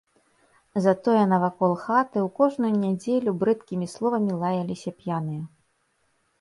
Затое навакол хаты ў кожную нядзелю брыдкімі словамі лаяліся п'яныя.